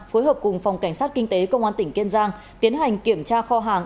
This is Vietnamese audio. phối hợp cùng phòng cảnh sát kinh tế công an tỉnh kiên giang tiến hành kiểm tra kho hàng